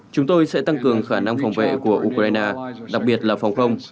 chúng tôi sẽ tăng cường khả năng phòng vệ của ukraine đặc biệt là phòng không